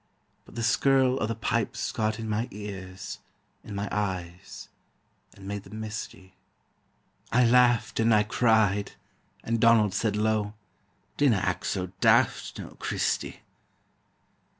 But the skirl o' the pipes got in my ears, In my eyes, and made them misty; I laughed and I cried, and Donald said low: "Dinna act so daft, noo, Christy!"